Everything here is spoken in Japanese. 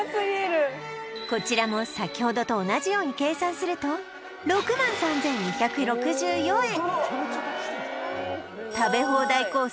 こちらも先ほどと同じように計算すると食べ放題コース